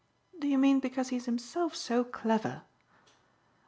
"Do you mean because he's himself so clever?"